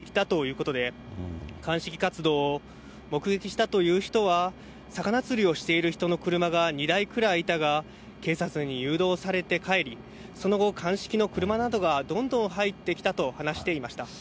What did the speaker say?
この現場にはきのう午後、逮捕された４人のうちの１人が、警察官を案内してきたということで、鑑識活動を目撃したという人は、魚釣りをしている人の車が２台ぐらいいたが、警察に誘導されて帰り、その後、鑑識の車などがどんどん入ってきたと話していました。